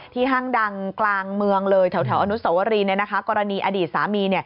ห้างดังกลางเมืองเลยแถวอนุสวรีกรณีอดีตสามี